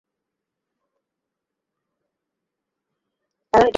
কারণ এটাই হবে তোমার এবং তোমার সন্তান-সন্ততির অভিবাদন।